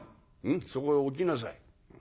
うんそこへ置きなさい。